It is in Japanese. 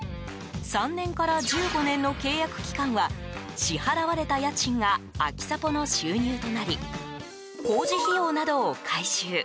３年から１５年の契約期間は支払われた家賃がアキサポの収入となり工事費用などを回収。